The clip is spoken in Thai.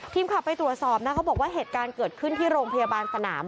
ทีมข่าวไปตรวจสอบนะเขาบอกว่าเหตุการณ์เกิดขึ้นที่โรงพยาบาลสนาม